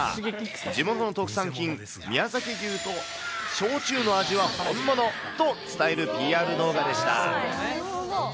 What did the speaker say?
地元の特産品、宮崎牛と焼酎の味は本物と、伝えるＰＲ動画でした。